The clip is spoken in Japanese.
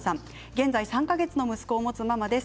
現在３か月の息子を持つママです。